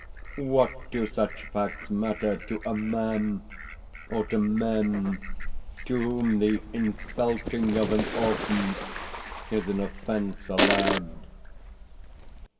WHAT do such facts matter to a man or to men to whom the insulting of an orphan is an offence allowed?